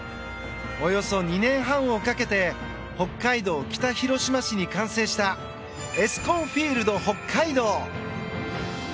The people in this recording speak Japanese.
およそ２年半をかけて北海道北広島市に完成したエスコンフィールドＨＯＫＫＡＩＤＯ。